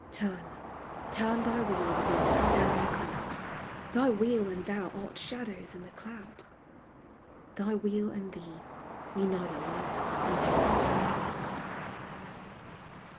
Turn, turn thy wheel above the staring crowd ; Thy wheel and thou art shadows in the cloud ; Thy wheel and thee we neither love nor hate.